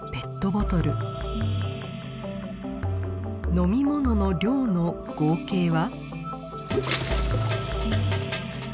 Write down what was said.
飲み物の量の合計は？